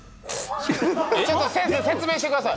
ちょっと先生説明してください。